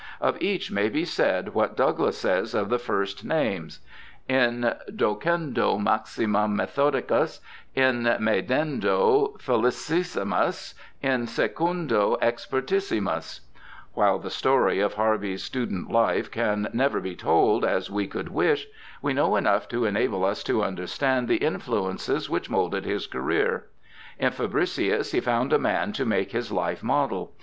Of each may be said what Douglas says of the first named :* In docendo maxime methodiais, in medendo felicissimus, in secando expertissi mils' While the story of Harvey's student life can never be told as we could wish, we know enough to enable us to understand the influences which moulded his career. In Fabricius he found a man to make his life model.